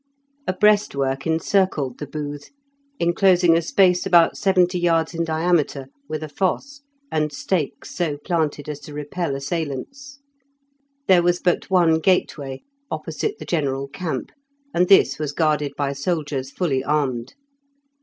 A breastwork encircled the booth, enclosing a space about seventy yards in diameter, with a fosse, and stakes so planted as to repel assailants. There was but one gateway, opposite the general camp, and this was guarded by soldiers fully armed.